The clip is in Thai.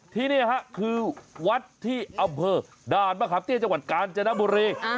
ที่นี่คือวัดที่อัพพิษฐานประขับเกาะที่กาญจนบุรี